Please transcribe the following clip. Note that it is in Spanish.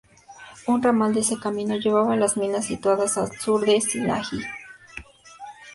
Un ramal de este camino llevaba a las minas situadas a sur del Sinaí.